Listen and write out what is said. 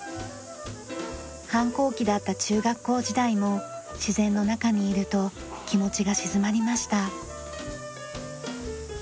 反抗期だった中学校時代も自然の中にいると気持ちがしずまりました。